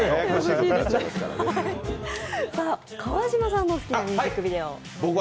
川島さんの好きなミュージックビデオは？